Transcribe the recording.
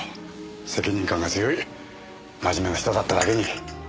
責任感が強い真面目な人だっただけに。